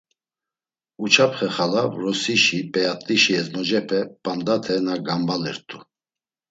Uçapxe xala vrosişi p̌eat̆işi ezmocepe p̌andate na gamvalert̆u.